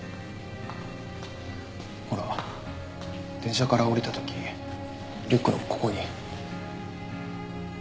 ほら電車から降りた時リュックのここに。